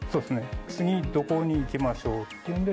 次、どこに行きましょうっていうんで。